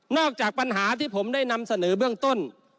จากปัญหาที่ผมได้นำเสนอเบื้องต้น